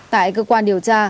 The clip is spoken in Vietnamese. tại cơ quan điều tra